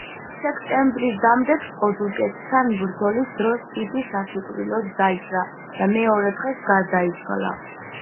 სექტემბრის დამდეგს ოზურგეთთან ბრძოლის დროს იგი სასიკვდილოდ დაიჭრა და მეორე დღეს გარდაიცვალა.